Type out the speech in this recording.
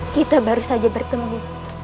kita baru saja bertemu